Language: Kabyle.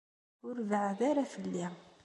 Ur beɛɛed ara fell-i!